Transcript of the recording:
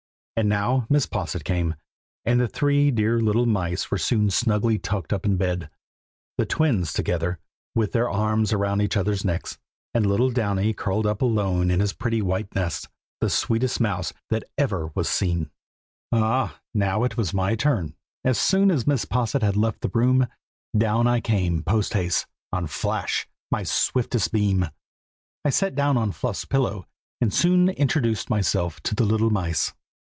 And now Mrs. Posset came, and the three dear little mice were soon snugly tucked up in bed; the twins together, with their arms round each other's necks, and little Downy curled up alone in his pretty white nest, the sweetest mouse that ever was seen. [Illustration: DOWNY ASLEEP IN HIS BED.] Ah! now it was my turn. As soon as Mrs. Posset had left the room, down I came post haste, on Flash, my swiftest beam. I sat down on Fluff's pillow, and soon introduced myself to the little mice.